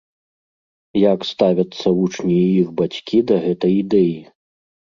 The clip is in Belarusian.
Як ставяцца вучні і іх бацькі да гэтай ідэі?